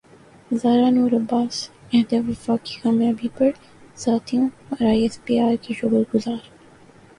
زارا نور عباس عہد وفا کی کامیابی پر ساتھیوں اور ائی ایس پی ار کی شکر گزار